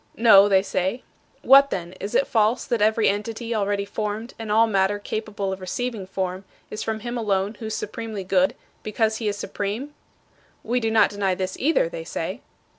"No," they say. "What then? Is it false that every entity already formed and all matter capable of receiving form is from him alone who is supremely good, because he is supreme?" "We do not deny this, either," they say.